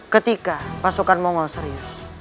ketika pasukan mongol serius